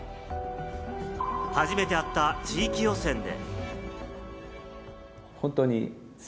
初めて会った地域予選で。